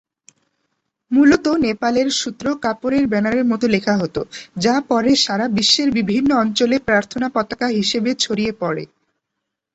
মূলত নেপালের সূত্র কাপড়ের ব্যানারের মতো লেখা হতো, যা পরে সারা বিশ্বের বিভিন্ন অঞ্চলে প্রার্থনা পতাকা হিসেবে ছড়িয়ে পড়ে।